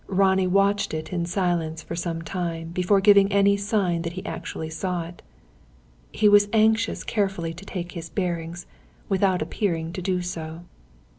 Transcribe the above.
Ronnie watched it in silence for some time, before giving any sign that he actually saw it. He was anxious carefully to take his bearings, without appearing to do so.